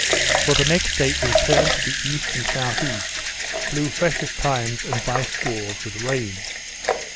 For the next day it returned to the E. and S.E., blew fresh at times, and by squalls, with rain.